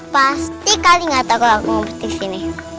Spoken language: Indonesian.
pasti kali nggak takut aku mau ke sini